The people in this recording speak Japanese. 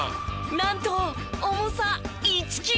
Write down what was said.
なんと重さ１キロ！